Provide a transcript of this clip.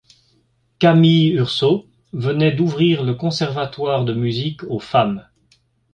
Camille Urso venait d'ouvrir le Conservatoire de musique aux femmes.